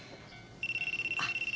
あっ。